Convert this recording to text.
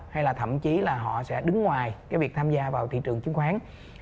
hay là thậm chí là họ sẽ đứng ngoài cái việc tham gia vào thị trường chứng khoán